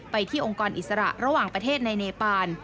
ที่องค์กรอิสระระหว่างประเทศในเนปาน